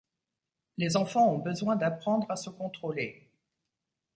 Les enfants ont besoin d'apprendre à se contrôler.